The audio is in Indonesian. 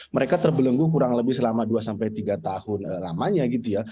mereka terbelenggu kurang lebih selama dua sampai tiga tahun lamanya gitu ya